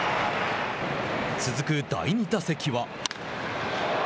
続く第２打席は。